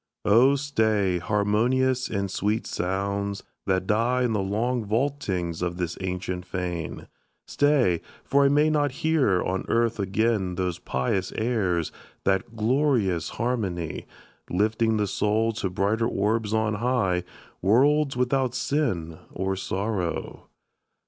Oh, stay, harmonious and sweet sounds, that die In the long vaultings of this ancient fane! Stay, for I may not hear on earth again Those pious airs that glorious harmony; Lifting the soul to brighter orbs on high, Worlds without sin or sorrow!